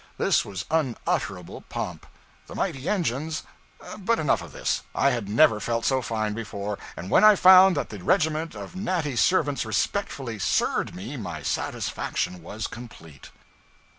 This was unutterable pomp. The mighty engines but enough of this. I had never felt so fine before. And when I found that the regiment of natty servants respectfully 'sir'd' me, my satisfaction was complete.